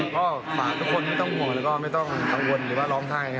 ขอฝากทุกคนไม่ต้องห่วงไม่ต้องกังวลหรือล้องไทย